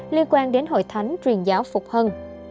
liên quan đến hội thánh truyền giáo phục hân